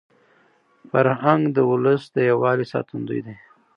فرهنګ د ولس د یووالي ساتندوی دی.